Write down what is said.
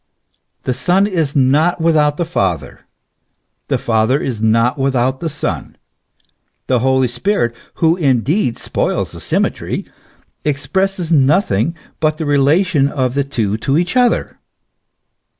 The Son is not without the Father, the Father not without the Son; the Holy Spirit, who indeed spoils the symmetry, expresses nothing but the relation of the two to each other.